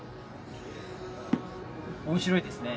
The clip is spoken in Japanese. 面白いですね。